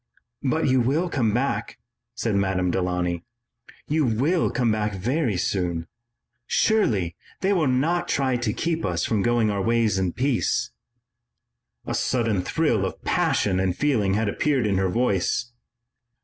"But you will come back," said Madame Delaunay. "You will come back very soon. Surely, they will not try to keep us from going our ways in peace." A sudden thrill of passion and feeling had appeared in her voice.